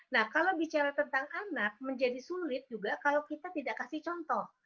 nah kalau bicara tentang anak menjadi sulit juga kalau kita tidak kasih contoh